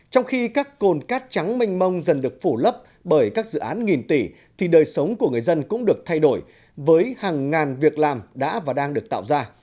trong khi các cồn cát trắng mênh mông dần được phủ lấp bởi các dự án nghìn tỷ thì đời sống của người dân cũng được thay đổi với hàng ngàn việc làm đã và đang được tạo ra